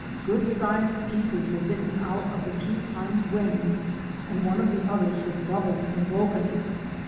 Good sized pieces were bitten out of the two hind wings and one of the others was doubled and broken.